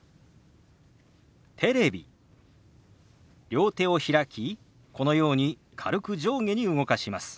両手を開きこのように軽く上下に動かします。